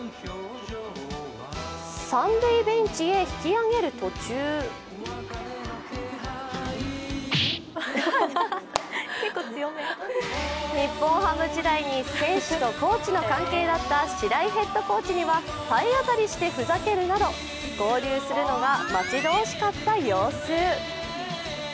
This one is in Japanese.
三塁ベンチへ引き上げる途中日本ハム時代に選手とコーチの関係だった白井ヘッドコーチには体当たりしてふざけるなど合流するのが待ち遠しかった様子。